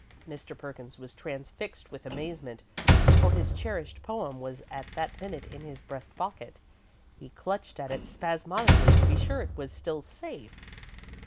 Mr. Perkins was transfixed with amazement, for his cherished poem was at that minute in his breast pocket. He clutched at it spasmodically, to be sure it was still safe.